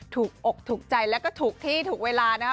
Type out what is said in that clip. อกถูกใจแล้วก็ถูกที่ถูกเวลานะครับ